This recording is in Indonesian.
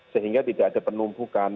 sehingga tidak ada penumpukan